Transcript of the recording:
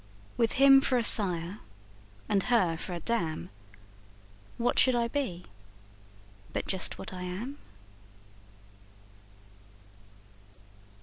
With him for a sire and her for a dam, What should I be but just what I am?